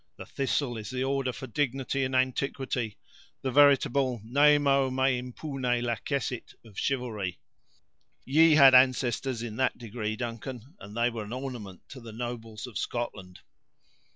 The thistle is the order for dignity and antiquity; the veritable 'nemo me impune lacessit' of chivalry. Ye had ancestors in that degree, Duncan, and they were an ornament to the nobles of Scotland."